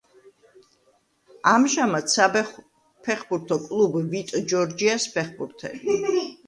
ამჟამად საფეხბურთო კლუბ „ვიტ ჯორჯიას“ ფეხბურთელი.